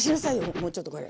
もうちょっとこれ。